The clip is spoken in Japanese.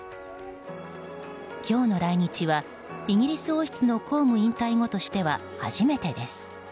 今日の来日は、イギリス王室の公務引退後としては初めてです。